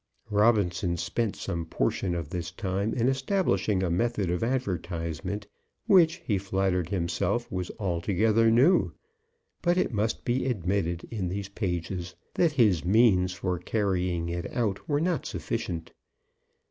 Robinson spent some portion of this time in establishing a method of advertisement, which he flattered himself was altogether new; but it must be admitted in these pages that his means for carrying it out were not sufficient.